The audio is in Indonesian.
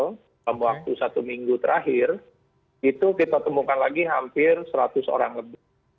dalam waktu satu minggu terakhir itu kita temukan lagi hampir seratus orang lebih